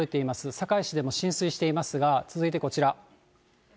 堺市でも浸水していますが、続いてこちら。